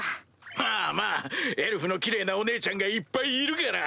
まぁまぁエルフのキレイなお姉ちゃんがいっぱいいるから！